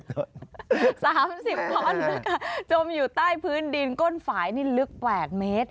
๓๐ท่อนนะคะจมอยู่ใต้พื้นดินก้นฝ่ายนี่ลึก๘เมตร